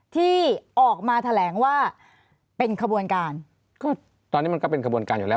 ที่ออกมาแถลงว่าเป็นขบวนการก็ตอนนี้มันก็เป็นขบวนการอยู่แล้ว